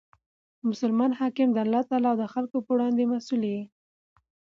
مسلمان حاکم د الله تعالی او خلکو په وړاندي مسئول يي.